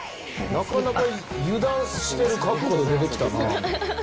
なかなか油断してる格好で出てきたな。